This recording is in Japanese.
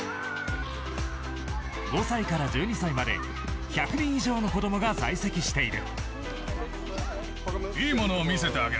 ５歳から１２歳まで１００人以上の子供が在籍している。